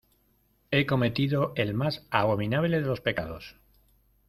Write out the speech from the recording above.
he cometido el más abominable de los pecados: